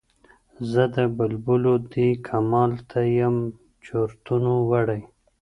زه د بلبلو دې کمال ته یم چرتونو وړی